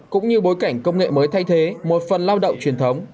cũng như bối cảnh công nghệ mới thay thế một phần lao động truyền thống